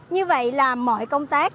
như vậy là mọi công tác